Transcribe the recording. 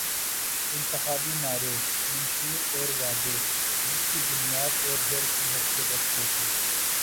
انتخابی نعرے، منشور اور وعدے، جس کی بنیاداور جڑ کی حیثیت رکھتے تھے۔